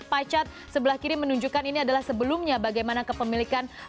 picat sebelah kiri menunjukkan ini adalah sebelumnya bagaimana kepemilikan